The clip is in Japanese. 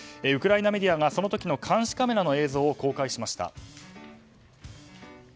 ウクライナメディアがその時の監視カメラの映像を公開しました。